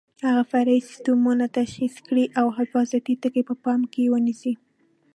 هغه فرعي سیسټمونه تشخیص کړئ او حفاظتي ټکي په پام کې ونیسئ.